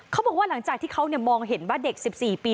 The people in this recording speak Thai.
เขาบอกว่าหลังจากที่เขามองเห็นว่าเด็ก๑๔ปี